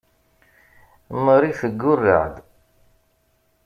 Marie teggurreɛ-d.